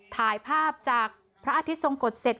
ถ่ายภาพจากพระอาทิตย์ทรงกฎเสร็จ